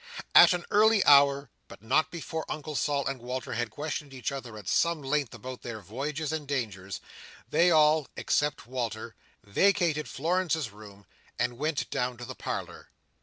At an early hour, but not before Uncle Sol and Walter had questioned each other at some length about their voyages and dangers, they all, except Walter, vacated Florence's room, and went down to the parlour.